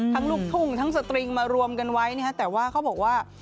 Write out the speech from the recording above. ลูกทุ่งทั้งสตริงมารวมกันไว้นะฮะแต่ว่าเขาบอกว่า